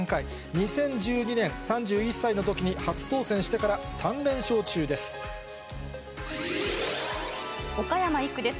２０１２年、３１歳のときに初当選してから３連勝中です。